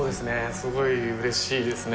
すごい嬉しいですね